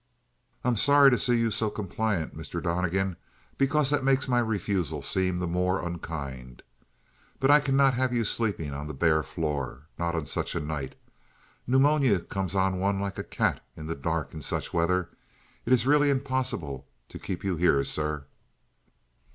"I am sorry to see you so compliant, Mr. Donnegan, because that makes my refusal seem the more unkind. But I cannot have you sleeping on the bare floor. Not on such a night. Pneumonia comes on one like a cat in the dark in such weather. It is really impossible to keep you here, sir."